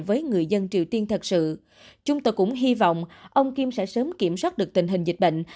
với người dân triều tiên thật sự chúng tôi cũng hy vọng ông kim sẽ sớm kiểm soát được tình hình dịch bệnh